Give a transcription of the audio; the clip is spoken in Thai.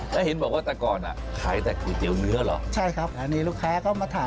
ได้เห็นบอกว่าแต่ก่อนน่ะ